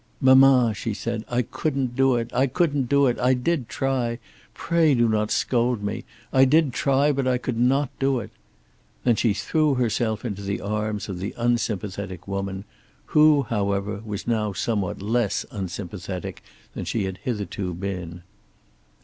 "Mamma," she said, "I couldn't do it; I couldn't do it. I did try. Pray do not scold me. I did try, but I could not do it." Then she threw herself into the arms of the unsympathetic woman, who, however, was now somewhat less unsympathetic than she had hitherto been.